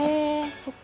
そっか。